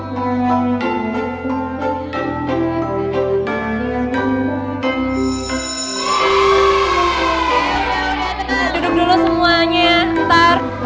kita duduk dulu semuanya ntar